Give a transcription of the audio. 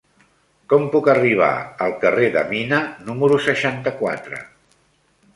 Com puc arribar al carrer de Mina número seixanta-quatre?